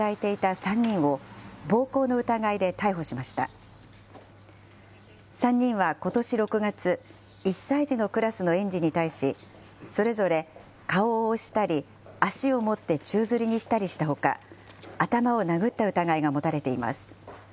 ３人はことし６月、１歳児のクラスの園児に対し、それぞれ顔を押したり、足を持って宙づりにしたりしたほか、頭を殴った疑いが持たれています。